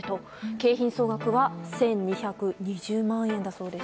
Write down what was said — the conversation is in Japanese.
景品総額は１２２０万円だそうです。